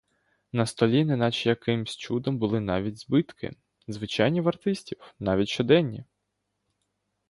На столі, неначе якимсь чудом, були навіть збитки, звичайні в артистів, навіть щоденні.